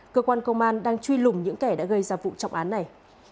cơ quan công an đang truy lùng những kẻ đã gây ra vụ trọng án này